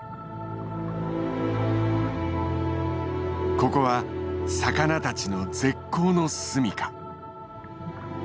ここは魚たちの絶好の住みか。